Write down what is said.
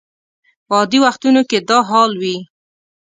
په عادي وختونو کې دا حال وي.